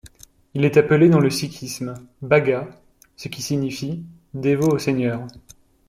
Il est appelé dans le sikhisme: bhagat ce qui signifie: dévot au Seigneur.